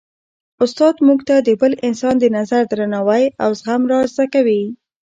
استاد موږ ته د بل انسان د نظر درناوی او زغم را زده کوي.